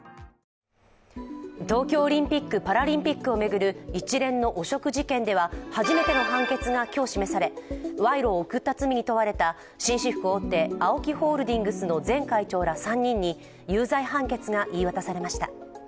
東京オリンピック・パラリンピックを巡る一連の汚職事件では初めての判決が今日示され賄賂を贈った罪に問われた紳士服大手ＡＯＫＩホールディングスの前会長ら３人に有罪判決が言い渡されました。